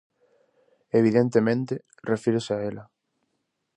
Evidentemente, refírese a ela.